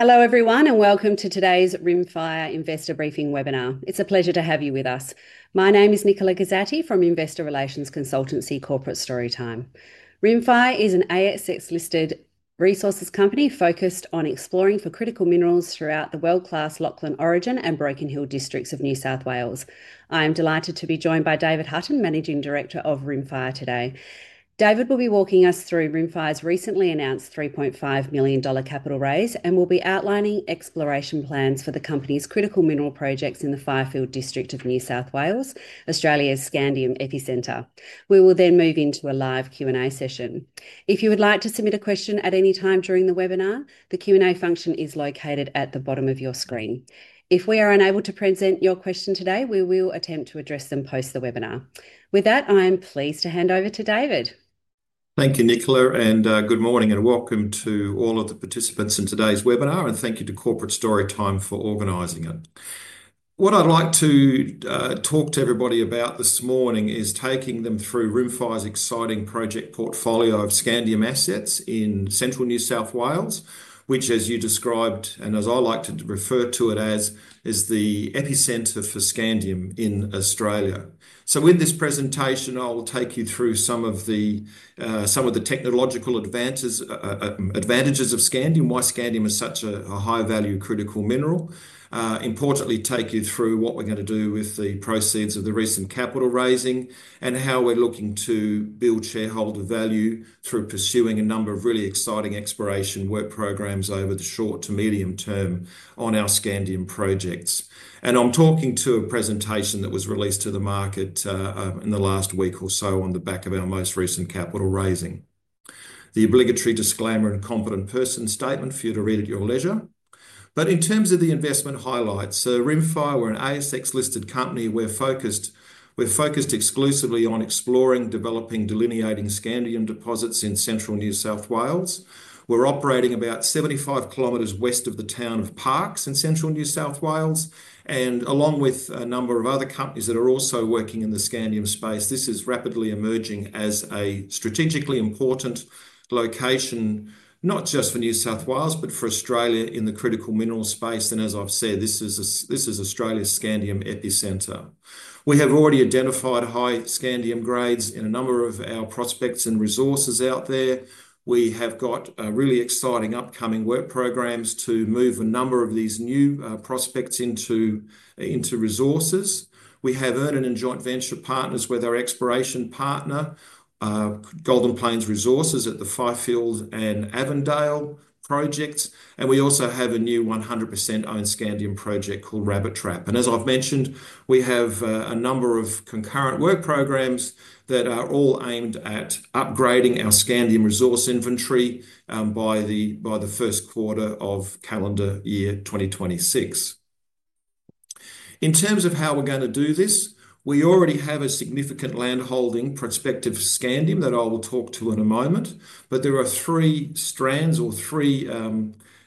Hello everyone and welcome to today's Rimfire Investor Briefing webinar. It's a pleasure to have you with us. My name is Nicola Gosati from Investor Relations Consultancy Corporate Storytime. Rimfire is an ASX-listed resources company focused on exploring for critical minerals throughout the world-class Lachlan Orogen and Broken Hill districts of New South Wales. I am delighted to be joined by David Hutton, Managing Director of Rimfire today. David will be walking us through Rimfire's recently announced 3.5 million dollar capital raise and will be outlining exploration plans for the company's critical mineral projects in the Fifield District of New South Wales, Australia's scandium epicenter. We will then move into a live Q&A session. If you would like to submit a question at any time during the webinar, the Q&A function is located at the bottom of your screen. If we are unable to present your question today, we will attempt to address them post the webinar. With that, I am pleased to hand over to David. Thank you, Nicola, and good morning and welcome to all of the participants in today's webinar, and thank you to Corporate Storytime for organizing it. What I'd like to talk to everybody about this morning is taking them through Rimfire's exciting project portfolio of scandium assets in central New South Wales, which, as you described, and as I like to refer to it as, is the epicenter for scandium in Australia. With this presentation, I'll take you through some of the technological advantages of scandium, why scandium is such a high-value critical mineral. Importantly, take you through what we're going to do with the proceeds of the recent capital raising and how we're looking to build shareholder value through pursuing a number of really exciting exploration work programs over the short to medium term on our scandium projects. I'm talking to a presentation that was released to the market in the last week or so on the back of our most recent capital raising. The obligatory disclaimer and competent person statement for you to read at your leisure. In terms of the investment highlights, Rimfire, we're an ASX-listed company. We're focused exclusively on exploring, developing, delineating scandium deposits in central New South Wales. We're operating about 75 kilometers west of the town of Parkes in central New South Wales. Along with a number of other companies that are also working in the scandium space, this is rapidly emerging as a strategically important location, not just for New South Wales, but for Australia in the critical mineral space. As I've said, this is Australia's scandium epicenter. We have already identified high scandium grades in a number of our prospects and resources out there. We have got really exciting upcoming work programs to move a number of these new prospects into resources. We have entered into joint venture partnerships with our exploration partner, Golden Plains Resources at the Fifield and Avondale projects. We also have a new 100% owned scandium project called Rabbit Trap. As I've mentioned, we have a number of concurrent work programs that are all aimed at upgrading our scandium resource inventory by the first quarter of calendar year 2026. In terms of how we're going to do this, we already have a significant landholding prospective for scandium that I will talk to in a moment. There are three strands or three,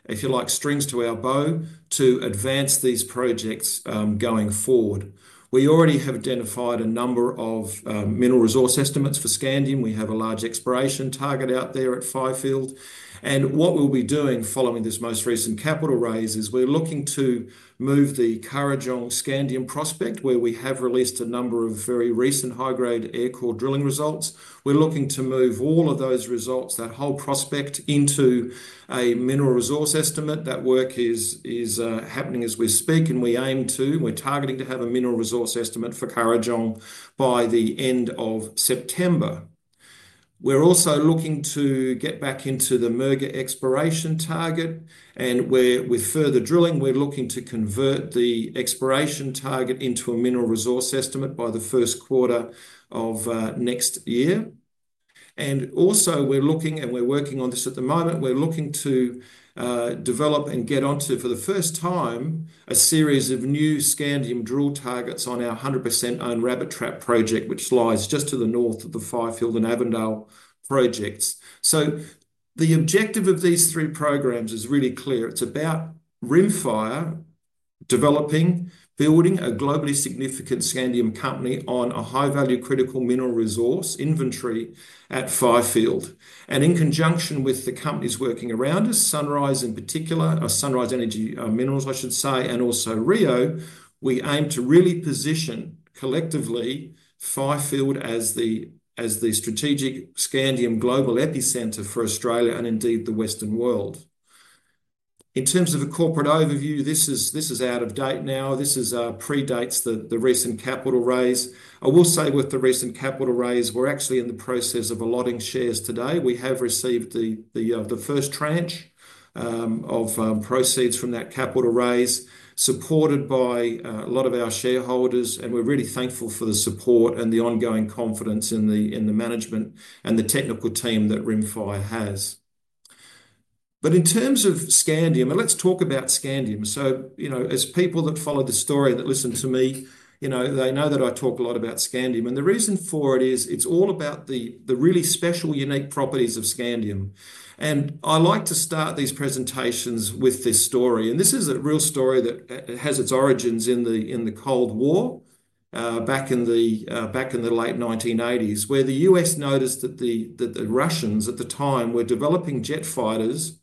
if you like, strings to our bow to advance these projects going forward. We already have identified a number of mineral resource estimates for scandium. We have a large exploration target out there at Fifield. What we'll be doing following this most recent capital raise is we're looking to move the Currajong Scandium Prospect, where we have released a number of very recent high-grade air core drilling results. We're looking to move all of those results, that whole prospect, into a mineral resource estimate. That work is happening as we speak, and we aim to, and we're targeting to have a mineral resource estimate for Currajong by the end of September. We're also looking to get back into the Murga Exploration Target, and with further drilling, we're looking to convert the exploration target into a mineral resource estimate by the first quarter of next year. We're looking, and we're working on this at the moment, we're looking to develop and get onto for the first time a series of new scandium drill targets on our 100% owned Rabbit Trap project, which lies just to the north of the Fifield and Avondale projects. The objective of these three programs is really clear. It's about Rimfire developing, building a globally significant scandium company on a high-value critical mineral resource inventory at Fifield. In conjunction with the companies working around us, Sunrise in particular, Sunrise Energy Metals, I should say, and also Rio, we aim to really position collectively Fifield as the strategic scandium global epicenter for Australia and indeed the Western world. In terms of a corporate overview, this is out of date now. This predates the recent capital raise. I will say with the recent capital raise, we're actually in the process of allotting shares today. We have received the first tranche of proceeds from that capital raise, supported by a lot of our shareholders, and we're really thankful for the support and the ongoing confidence in the management and the technical team that Rimfire has. In terms of scandium, let's talk about scandium. As people that follow the story that listen to me, they know that I talk a lot about scandium. The reason for it is it's all about the really special, unique properties of scandium. I like to start these presentations with this story. This is a real story that has its origins in the Cold War, back in the late 1980s, where the U.S. noticed that the Russians at the time were developing jet fighters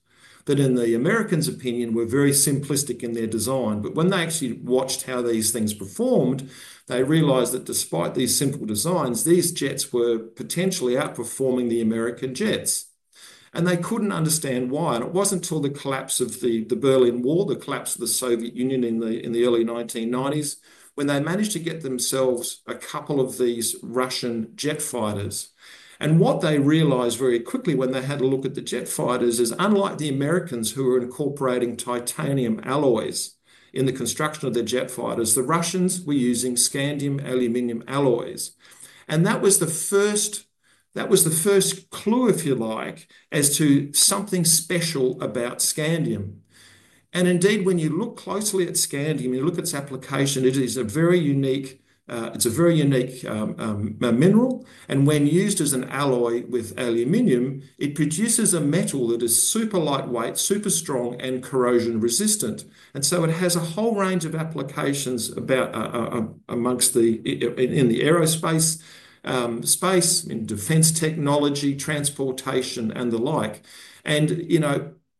that, in the Americans' opinion, were very simplistic in their design. When they actually watched how these things performed, they realized that despite these simple designs, these jets were potentially outperforming the American jets. They couldn't understand why. It wasn't until the collapse of the Berlin Wall, the collapse of the Soviet Union in the early 1990s, when they managed to get themselves a couple of these Russian jet fighters. What they realized very quickly when they had a look at the jet fighters is, unlike the Americans who were incorporating titanium alloys in the construction of the jet fighters, the Russians were using scandium aluminum alloys. That was the first clue, if you like, as to something special about scandium. Indeed, when you look closely at scandium, you look at its application, it is a very unique mineral. When used as an alloy with aluminum, it produces a metal that is super lightweight, super strong, and corrosion resistant. It has a whole range of applications in the aerospace space, defense technology, transportation, and the like.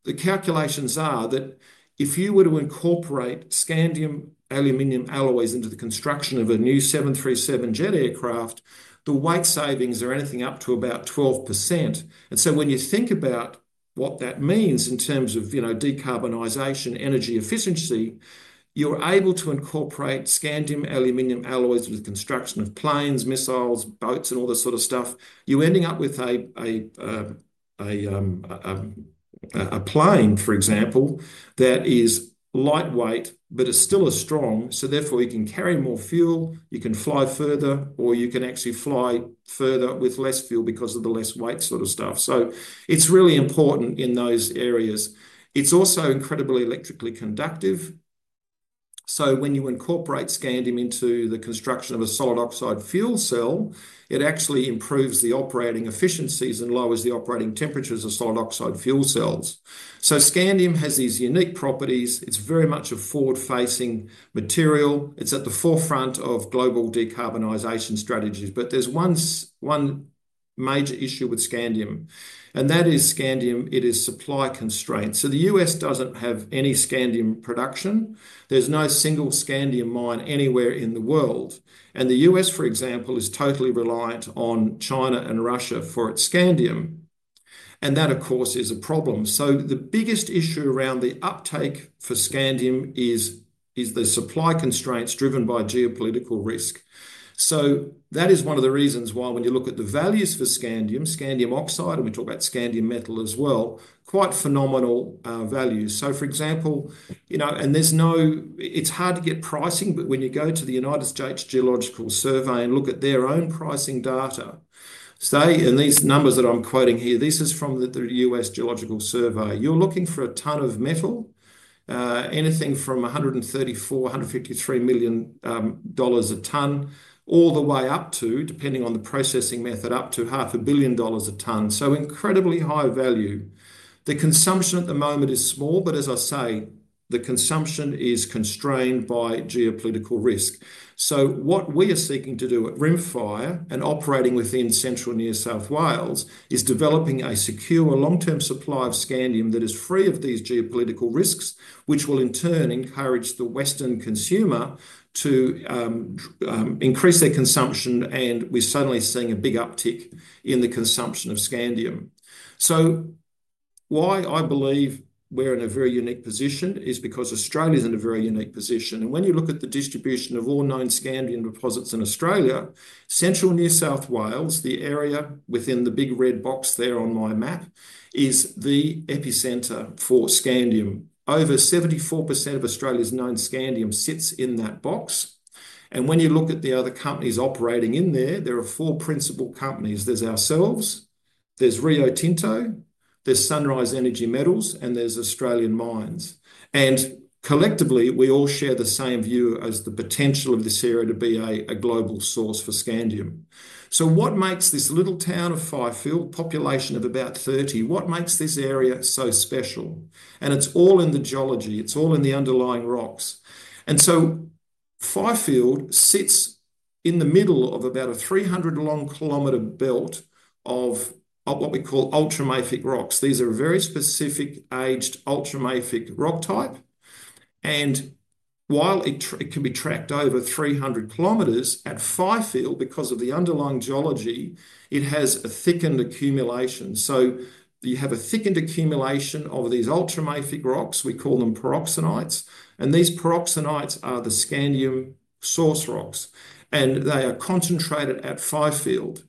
The calculations are that if you were to incorporate scandium aluminum alloys into the construction of a new 737 jet aircraft, the weight savings are anything up to about 12%. When you think about what that means in terms of decarbonization, energy efficiency, you're able to incorporate scandium aluminum alloys with the construction of planes, missiles, boats, and all this sort of stuff. You end up with a plane, for example, that is lightweight but is still as strong. Therefore, you can carry more fuel, you can fly further, or you can actually fly further with less fuel because of the less weight. It's really important in those areas. It's also incredibly electrically conductive. When you incorporate scandium into the construction of a solid oxide fuel cell, it actually improves the operating efficiencies and lowers the operating temperatures of solid oxide fuel cells. Scandium has these unique properties. It's very much a forward-facing material. It's at the forefront of global decarbonization strategies. There's one major issue with scandium, and that is scandium is supply constrained. The U.S. doesn't have any scandium production. There's no single scandium mine anywhere in the world. The U.S., for example, is totally reliant on China and Russia for its scandium. That, of course, is a problem. The biggest issue around the uptake for scandium is the supply constraints driven by geopolitical risk. That is one of the reasons why when you look at the values for scandium, scandium oxide, and we talk about scandium metal as well, quite phenomenal values. For example, it's hard to get pricing, but when you go to the United States Geological Survey and look at their own pricing data, these numbers that I'm quoting here, this is from the United States Geological Survey. You're looking for a tonne of metal, anything from 134 million dollars, AUD 153 million a tonne, all the way up to, depending on the processing method, up to 500 million dollars a tonne. Incredibly high value. The consumption at the moment is small, but the consumption is constrained by geopolitical risk. What we are seeking to do at Rimfire and operating within central New South Wales is developing a secure long-term supply of scandium that is free of these geopolitical risks, which will in turn encourage the Western consumer to increase their consumption. We're suddenly seeing a big uptick in the consumption of scandium. Why I believe we're in a very unique position is because Australia is in a very unique position. When you look at the distribution of all known scandium deposits in Australia, central New South Wales, the area within the big red box there on my map, is the epicenter for scandium. Over 74% of Australia's known scandium sits in that box. When you look at the other companies operating in there, there are four principal companies. There's ourselves, there's Rio Tinto, there's Sunrise Energy Metals, and there's Australian Mines. Collectively, we all share the same view as the potential of this area to be a global source for scandium. What makes this little town of Fifield, population of about 30, what makes this area so special? It's all in the geology. It's all in the underlying rocks. Fifield sits in the middle of about a 300 km long belt of what we call ultramafic rocks. These are very specific aged ultramafic rock type. While it can be tracked over 300 km, at Fifield, because of the underlying geology, it has a thickened accumulation. You have a thickened accumulation of these ultramafic rocks. We call them peroxenites. These peroxenites are the scandium source rocks, and they are concentrated at Fifield.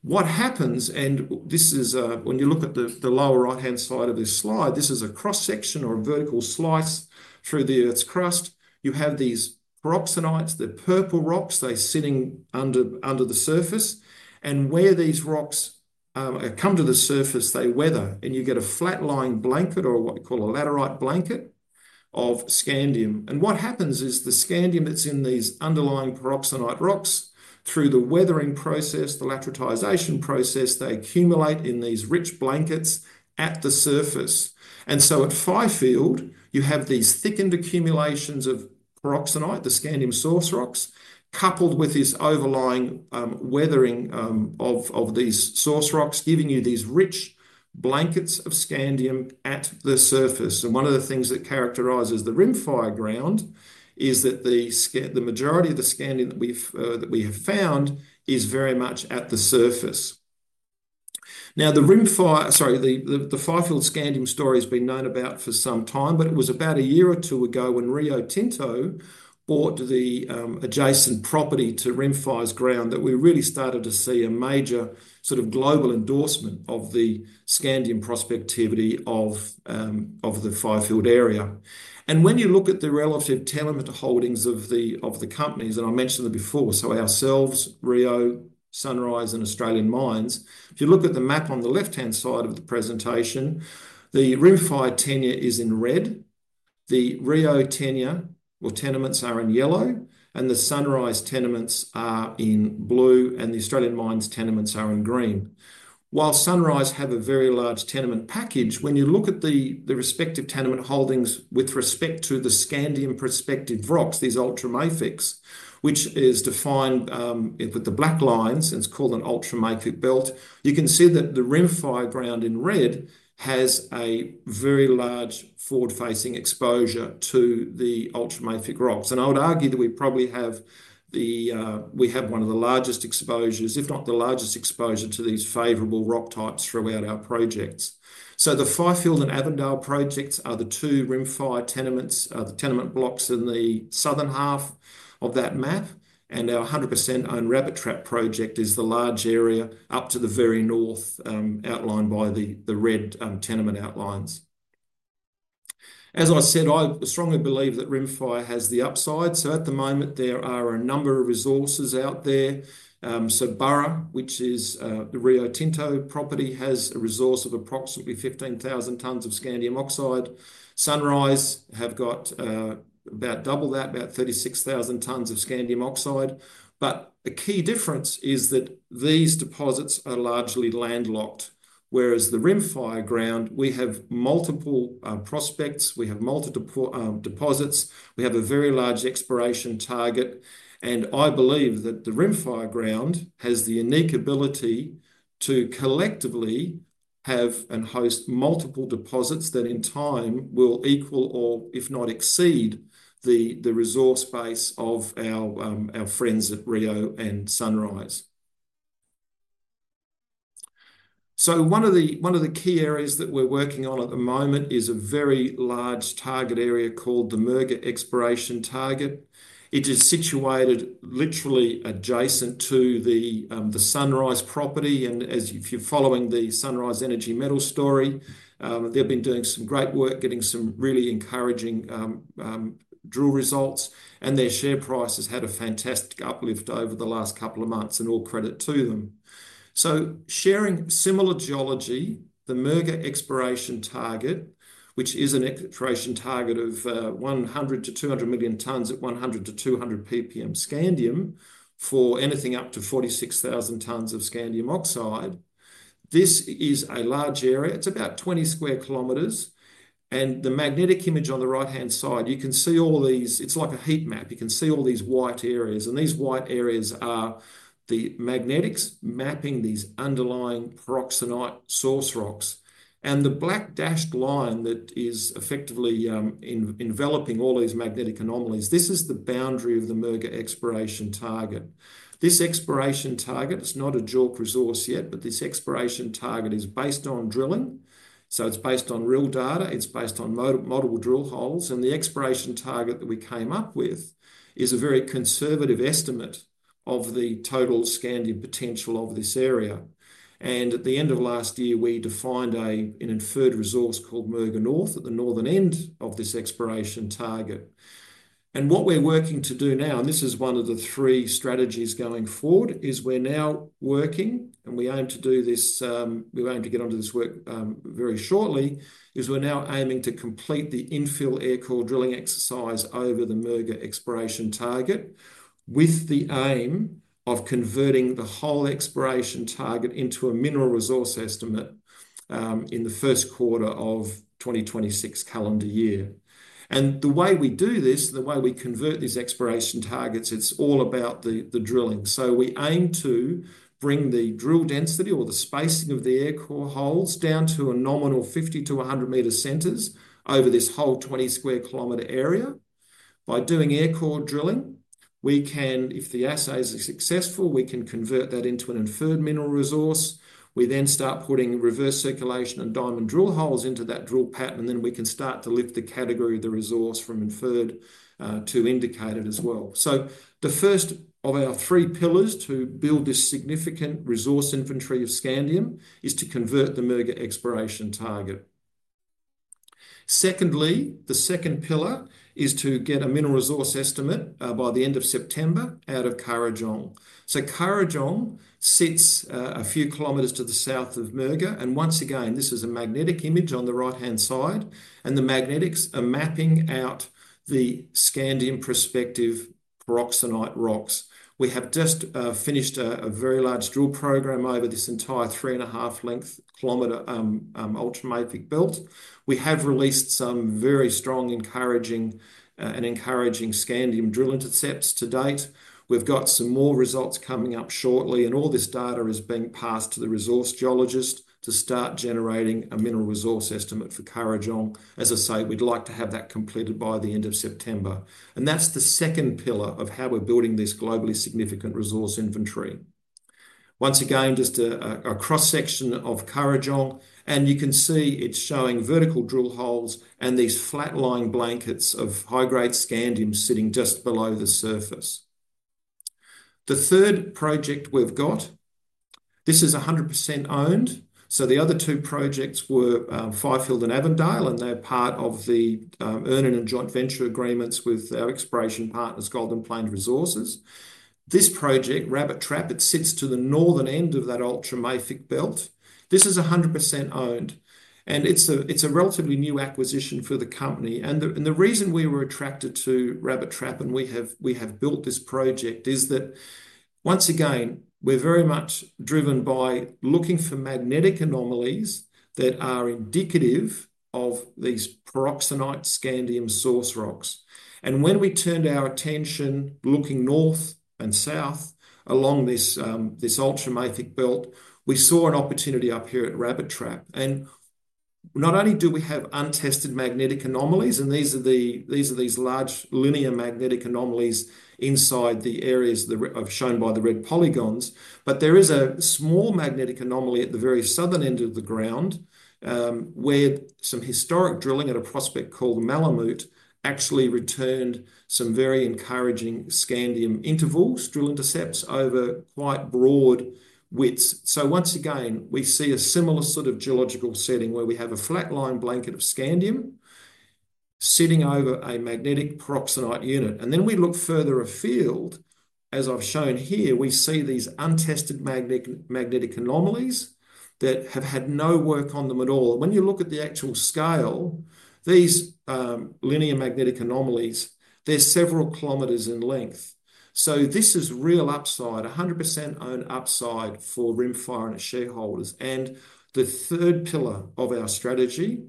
What happens, when you look at the lower right-hand side of this slide, this is a cross-section or a vertical slice through the Earth's crust. You have these peroxenites. They're purple rocks, sitting under the surface. Where these rocks come to the surface, they weather, and you get a flat-lying blanket or what we call a laterite blanket of scandium. The scandium that's in these underlying peroxenite rocks, through the weathering process, the lateritisation process, accumulates in these rich blankets at the surface. At Fifield, you have these thickened accumulations of peroxenite, the scandium source rocks, coupled with this overlying weathering of these source rocks, giving you these rich blankets of scandium at the surface. One of the things that characterizes the Rimfire ground is that the majority of the scandium that we have found is very much at the surface. The Fifield scandium story has been known about for some time, but it was about a year or two ago when Rio Tinto bought the adjacent property to Rimfire's ground that we really started to see a major sort of global endorsement of the scandium prospectivity of the Fifield area. When you look at the relative tenement holdings of the companies, and I mentioned them before, so ourselves, Rio, Sunrise, and Australian Mines, if you look at the map on the left-hand side of the presentation, the Rimfire tenure is in red. The Rio tenure or tenements are in yellow, the Sunrise tenements are in blue, and the Australian Mines tenements are in green. While Sunrise has a very large tenement package, when you look at the respective tenement holdings with respect to the scandium prospective rocks, these ultramafics, which is defined with the black lines, and it's called an ultramafic belt, you can see that the Rimfire ground in red has a very large forward-facing exposure to the ultramafic rocks. I would argue that we probably have one of the largest exposures, if not the largest exposure, to these favorable rock types throughout our projects. The Fifield and Avondale projects are the two Rimfire tenements, the tenement blocks in the southern half of that map, and our 100% owned Rabbit Trap project is the large area up to the very north outlined by the red tenement outlines. As I said, I strongly believe that Rimfire has the upside. At the moment, there are a number of resources out there. Burra, which is the Rio Tinto property, has a resource of approximately 15,000 tonnes of scandium oxide. Sunrise has got about double that, about 36,000 tonnes of scandium oxide. A key difference is that these deposits are largely landlocked, whereas the Rimfire ground, we have multiple prospects, we have multiple deposits, we have a very large exploration target. I believe that the Rimfire ground has the unique ability to collectively have and host multiple deposits that in time will equal or, if not, exceed the resource base of our friends at Rio and Sunrise. One of the key areas that we're working on at the moment is a very large target area called the Murga Exploration Target. It is situated literally adjacent to the Sunrise property. If you're following the Sunrise Energy Metals story, they've been doing some great work, getting some really encouraging drill results, and their share price has had a fantastic uplift over the last couple of months, and all credit to them. Sharing similar geology, the Murga Exploration Target, which is an exploration target of 100 million-200 million tonnes at 100 ppm-200 ppm scandium for anything up to 46,000 tonnes of scandium oxide. This is a large area. It's about 20 square kilometers. The magnetic image on the right-hand side, you can see all these, it's like a heat map. You can see all these white areas, and these white areas are the magnetics mapping these underlying peroxenite source rocks. The black dashed line that is effectively enveloping all these magnetic anomalies, this is the boundary of the Murga Exploration Target. This exploration target, it's not a joint resource yet, but this exploration target is based on drilling. It's based on real data. It's based on model drill holes. The exploration target that we came up with is a very conservative estimate of the total scandium potential of this area. At the end of last year, we defined an inferred resource called Murga North at the northern end of this exploration target. What we're working to do now, and this is one of the three strategies going forward, is we're now working, and we aim to do this, we're aiming to get onto this work very shortly. We're now aiming to complete the infill air core drilling exercise over the Murga Exploration Target with the aim of converting the whole exploration target into a mineral resource estimate in the first quarter of 2026 calendar year. The way we do this, the way we convert these exploration targets, it's all about the drilling. We aim to bring the drill density or the spacing of the air core holes down to a nominal 50 m-100 m centers over this whole 20 square kilometer area. By doing air core drilling, if the assay is successful, we can convert that into an inferred mineral resource. We then start putting reverse circulation and diamond drill holes into that drill pattern, and then we can start to lift the category of the resource from inferred to indicated as well. The first of our three pillars to build this significant resource inventory of scandium is to convert the Murga Exploration Target. The second pillar is to get a mineral resource estimate by the end of September out of Currajong. Currajong sits a few kilometers to the south of Murga, and once again, this is a magnetic image on the right-hand side, and the magnetics are mapping out the scandium-prospective peridotite rocks. We have just finished a very large drill program over this entire 3.5 km ultramafic belt. We have released some very strong and encouraging scandium drill intercepts to date. We've got some more results coming up shortly, and all this data is being passed to the resource geologists to start generating a mineral resource estimate for Currajong. As I say, we'd like to have that completed by the end of September. That's the second pillar of how we're building this globally significant resource inventory. Once again, just a cross-section of Currajong, and you can see it's showing vertical drill holes and these flat-lying blankets of high-grade scandium sitting just below the surface. The third project we've got, this is 100% owned. The other two projects were Fifield and Avondale, and they're part of the earn-in and joint venture agreements with our exploration partners, Golden Plains Resources. This project, Rabbit Trap, sits to the northern end of that ultramafic belt. This is 100% owned, and it's a relatively new acquisition for the company. The reason we were attracted to Rabbit Trap and we have built this project is that, once again, we're very much driven by looking for magnetic anomalies that are indicative of these peroxenite scandium source rocks. When we turned our attention looking north and south along this ultramafic belt, we saw an opportunity up here at Rabbit Trap. Not only do we have untested magnetic anomalies, and these are these large linear magnetic anomalies inside the areas shown by the red polygons, but there is a small magnetic anomaly at the very southern end of the ground where some historic drilling at a prospect called Malamute actually returned some very encouraging scandium intervals, drill intercepts over quite broad widths. Once again, we see a similar sort of geological setting where we have a flat-lying blanket of scandium sitting over a magnetic peroxenite unit. We look further afield, as I've shown here, we see these untested magnetic anomalies that have had no work on them at all. When you look at the actual scale, these linear magnetic anomalies, they're several kilometers in length. This is real upside, 100% owned upside for Rimfire and its shareholders. The third pillar of our strategy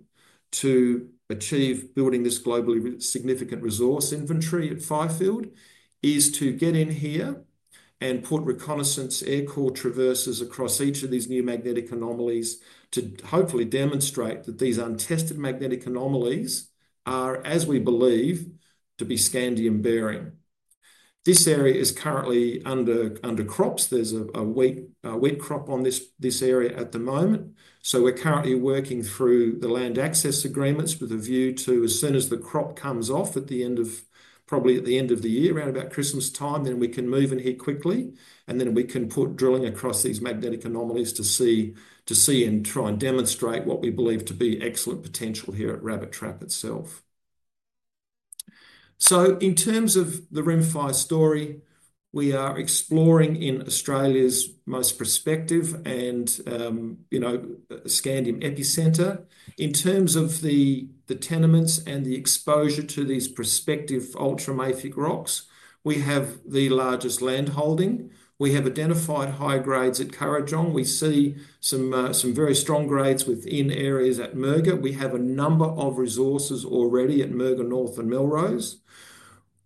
to achieve building this globally significant resource inventory at Fifield is to get in here and put reconnaissance air core traverses across each of these new magnetic anomalies to hopefully demonstrate that these untested magnetic anomalies are, as we believe, to be scandium bearing. This area is currently under crops. There's a wet crop on this area at the moment. We're currently working through the land access agreements with a view to as soon as the crop comes off at the end of, probably at the end of the year, around about Christmas time, then we can move in here quickly. We can put drilling across these magnetic anomalies to see and try and demonstrate what we believe to be excellent potential here at Rabbit Trap itself. In terms of the Rimfire story, we are exploring in Australia's most prospective and, you know, scandium epicenter. In terms of the tenements and the exposure to these prospective ultramafic rocks, we have the largest landholding. We have identified high grades at Currajong. We see some very strong grades within areas at Murga. We have a number of resources already at Murga North and Melrose.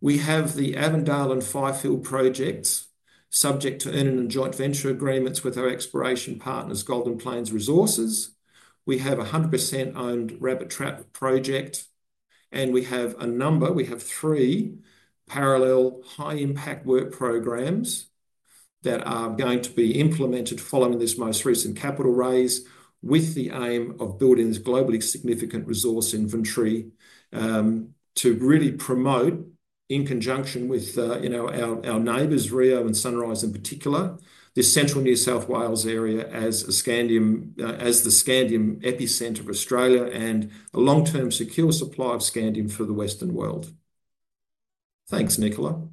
We have the Avondale and Fifield projects subject to earn-in and joint venture agreements with our exploration partners, Golden Plains Resources. We have a 100% owned Rabbit Trap project, and we have three parallel high-impact work programs that are going to be implemented following this most recent capital raise with the aim of building this globally significant resource inventory to really promote, in conjunction with our neighbors, Rio Tinto and Sunrise in particular, this central New South Wales area as the scandium epicenter of Australia and a long-term secure supply of scandium for the Western world. Thanks, Nicola.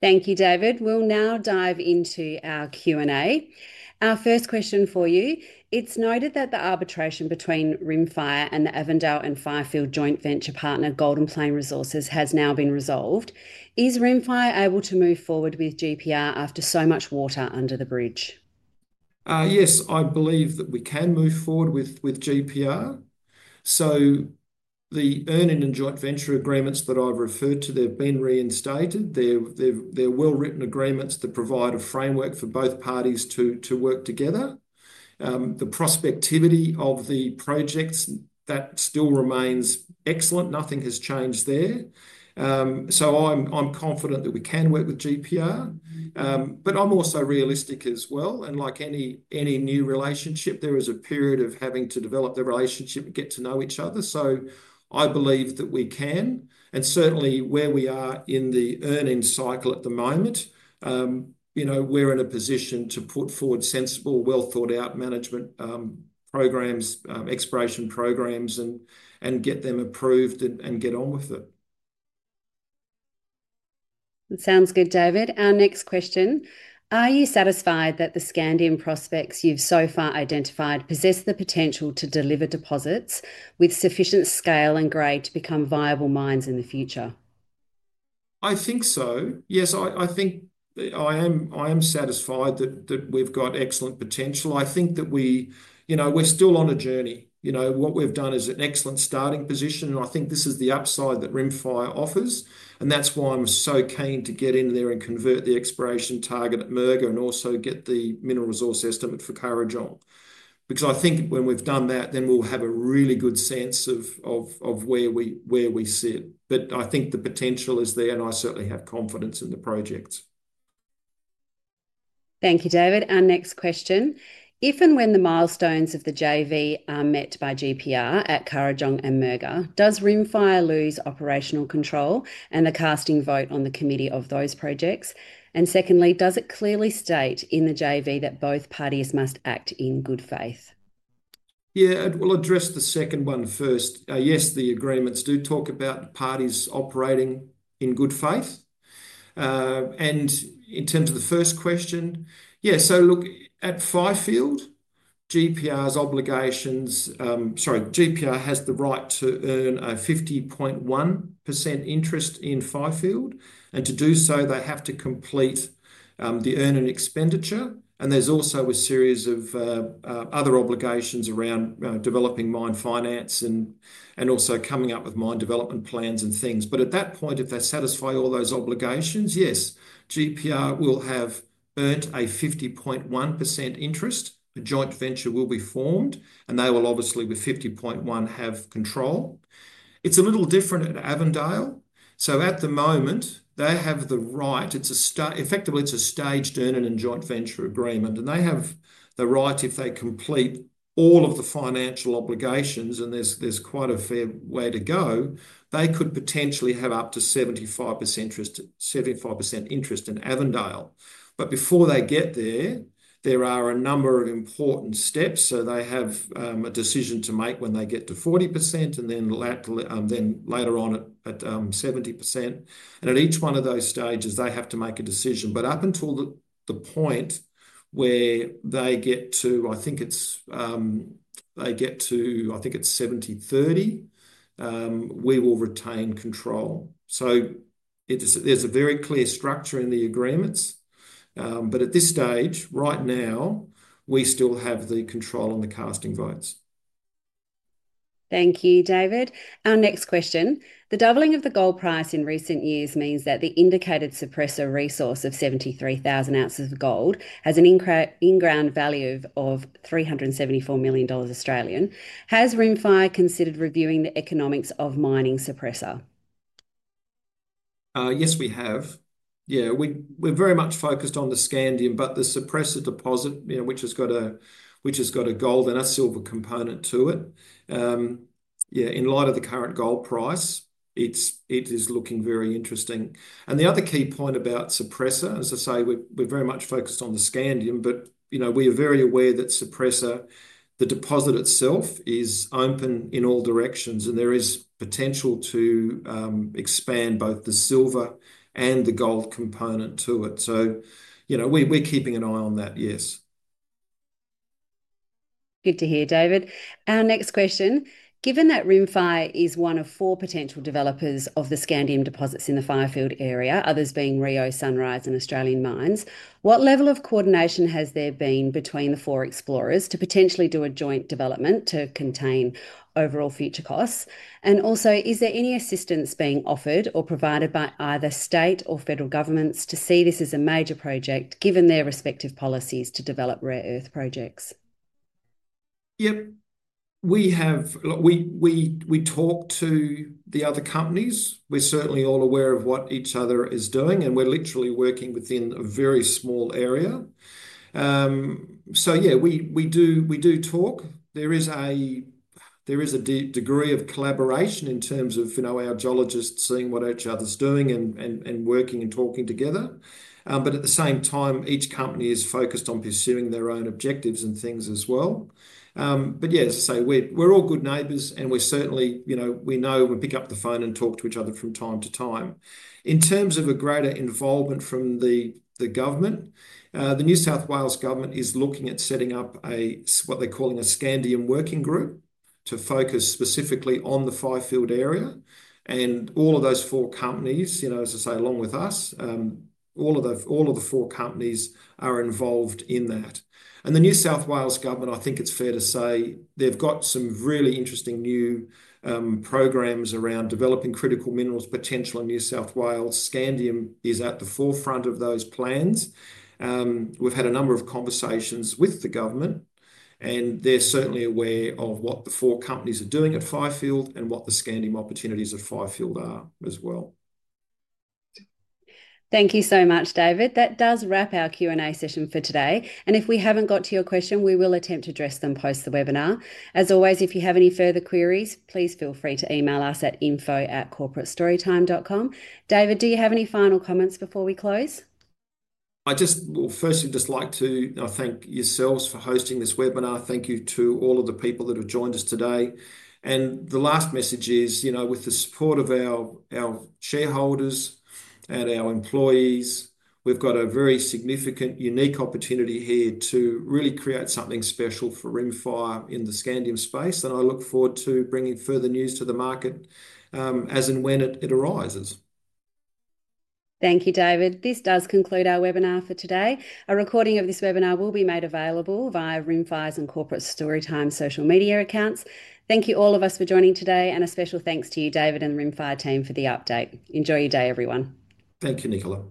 Thank you, David. We'll now dive into our Q&A. Our first question for you. It's noted that the arbitration between Rimfire and the Avondale and Fifield joint venture partner, Golden Plains Resources, has now been resolved. Is Rimfire able to move forward with GPR after so much water under the bridge? Yes, I believe that we can move forward with GPR. The earning and joint venture agreements that I've referred to have been reinstated. They're well-written agreements that provide a framework for both parties to work together. The prospectivity of the projects still remains excellent. Nothing has changed there. I'm confident that we can work with GPR. I'm also realistic as well. Like any new relationship, there is a period of having to develop the relationship and get to know each other. I believe that we can. Certainly, where we are in the earning cycle at the moment, we're in a position to put forward sensible, well-thought-out management programs, exploration programs, get them approved, and get on with it. That sounds good, David. Our next question: Are you satisfied that the scandium prospects you've so far identified possess the potential to deliver deposits with sufficient scale and grade to become viable mines in the future? I think so. Yes, I think I am satisfied that we've got excellent potential. I think that we, you know, we're still on a journey. What we've done is an excellent starting position. I think this is the upside that Rimfire offers. That's why I'm so keen to get in there and convert the exploration target at Murga and also get the mineral resource estimate for Currajong. I think when we've done that, then we'll have a really good sense of where we sit. I think the potential is there, and I certainly have confidence in the projects. Thank you, David. Our next question. If and when the milestones of the JV are met by GPR at Currajong and Murga, does Rimfire lose operational control and the casting vote on the committee of those projects? Secondly, does it clearly state in the JV that both parties must act in good faith? Yeah, I will address the second one first. Yes, the agreements do talk about the parties operating in good faith. In terms of the first question, yeah, so look, at Fifield, GPR's obligations, sorry, GPR has the right to earn a 50.1% interest in Fifield. To do so, they have to complete the earning expenditure. There's also a series of other obligations around developing mine finance and also coming up with mine development plans and things. At that point, if they satisfy all those obligations, yes, GPR will have earned a 50.1% interest. A joint venture will be formed, and they will obviously, with 50.1%, have control. It's a little different at Avondale. At the moment, they have the right, effectively, it's a staged earning and joint venture agreement. They have the right, if they complete all of the financial obligations, and there's quite a fair way to go, they could potentially have up to 75% interest in Avondale. Before they get there, there are a number of important steps. They have a decision to make when they get to 40% and then later on at 70%. At each one of those stages, they have to make a decision. Up until the point where they get to, I think it's, they get to, I think it's 70/30, we will retain control. There's a very clear structure in the agreements. At this stage, right now, we still have the control on the casting votes. Thank you, David. Our next question. The doubling of the gold price in recent years means that the indicated Sorpresa resource of 73,000 ounces of gold has an in-ground value of 374 million Australian dollars Australian. Has Rimfire considered reviewing the economics of mining Sorpresa? Yes, we have. Yeah, we're very much focused on the scandium, but the Sorpresa deposit, you know, which has got a gold and a silver component to it. Yeah, in light of the current gold price, it is looking very interesting. The other key point about Sorpresa, as I say, we're very much focused on the scandium, but you know, we are very aware that Sorpresa, the deposit itself is open in all directions, and there is potential to expand both the silver and the gold component to it. You know, we're keeping an eye on that, yes. Good to hear, David. Our next question. Given that Rimfire is one of four potential developers of the scandium deposits in the Fifield area, others being Rio Tinto, Sunrise, and Australian Mines, what level of coordination has there been between the four explorers to potentially do a joint development to contain overall future costs? Also, is there any assistance being offered or provided by either state or federal governments to see this as a major project, given their respective policies to develop rare earth projects? Yeah, we talk to the other companies. We're certainly all aware of what each other is doing, and we're literally working within a very small area. Yeah, we do talk. There is a degree of collaboration in terms of our geologists seeing what each other's doing and working and talking together. At the same time, each company is focused on pursuing their own objectives and things as well. Yeah, as I say, we're all good neighbors, and we certainly know when we pick up the phone and talk to each other from time to time. In terms of a greater involvement from the government, the New South Wales government is looking at setting up what they're calling a Scandium Working Group to focus specifically on the Fifield District. All of those four companies, as I say, along with us, all of the four companies are involved in that. The New South Wales government, I think it's fair to say, they've got some really interesting new programs around developing critical minerals potential in New South Wales. Scandium is at the forefront of those plans. We've had a number of conversations with the government, and they're certainly aware of what the four companies are doing at Fifield and what the scandium opportunities at Fifield are as well. Thank you so much, David. That does wrap our Q&A session for today. If we haven't got to your question, we will attempt to address them post the webinar. As always, if you have any further queries, please feel free to email us at info@corporatestorytime.com. David, do you have any final comments before we close? I would firstly just like to thank yourselves for hosting this webinar. Thank you to all of the people that have joined us today. The last message is, you know, with the support of our shareholders and our employees, we've got a very significant, unique opportunity here to really create something special for Rimfire in the scandium space. I look forward to bringing further news to the market as and when it arises. Thank you, David. This does conclude our webinar for today. A recording of this webinar will be made available via Rimfire's and Corporate Storytime social media accounts. Thank you all for joining today, and a special thanks to you, David, and the Rimfire team for the update. Enjoy your day, everyone. Thank you, Nicola.